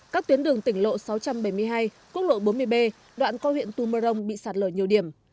các tuyến đường tỉnh lộ sáu trăm bảy mươi hai quốc lộ bốn mươi b đoạn coi huyện tumarong bị sạt lở nhiều điểm